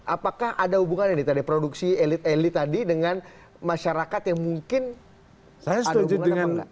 apakah ada hubungannya nih tadi produksi elit elit tadi dengan masyarakat yang mungkin ada hubungan apa enggak